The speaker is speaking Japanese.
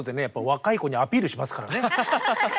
若い子にアピールしますからね。